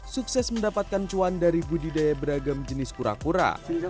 sukses mendapatkan cuan dari budidaya beragam jenis kura kura